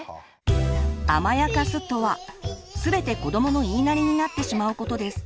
「甘やかす」とは全て子どもの言いなりになってしまうことです。